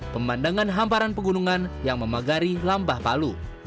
pemandangan hamparan pegunungan yang memagari lampah palu